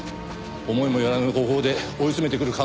思いもよらぬ方法で追い詰めてくる可能性がある。